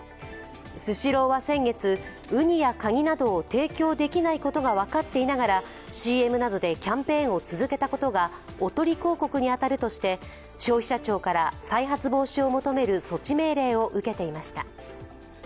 スシローは先月、ウニやカニなどを提供できないことが分かっていながらＣＭなどでキャンペーンを続けたことがおとり広告に当たるとして消費者庁から再発防止を求める措置命令を受けていました。